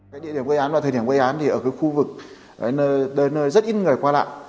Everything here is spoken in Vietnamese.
cái địa điểm quây án và thời điểm quây án thì ở cái khu vực nơi rất ít người qua lạng